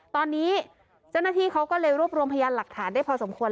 ตอนนี้เจ้าหน้าที่เขาก็เลยรวบรวมพยานหลักฐานได้พอสมควร